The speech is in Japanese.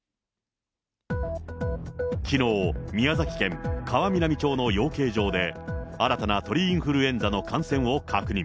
きのう、宮崎県川南町の養鶏場で、新たな鳥インフルエンザの感染を確認。